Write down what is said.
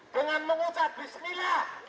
dengan mengucap bismillah